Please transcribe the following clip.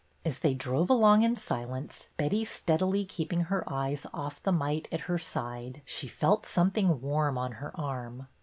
As they drove along in silence, Betty steadily keeping her eyes off the mite at her side, she felt something warm on her arm.